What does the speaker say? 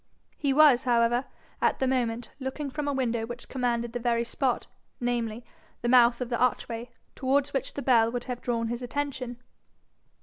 He was, however, at the moment, looking from a window which commanded the very spot namely, the mouth of the archway towards which the bell would have drawn his attention.